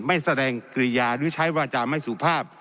ไม่แสดงกิริยาหรือใช้วาจาไม่สุภาพ